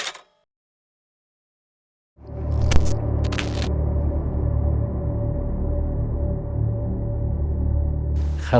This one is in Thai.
ตอนที่๑๐คืน